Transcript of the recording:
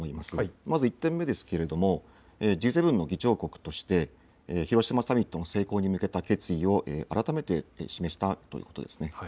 まず１点目ですけれどもＧ７の議長国として広島サミットの成功に向けた決意を改めて示したということですね。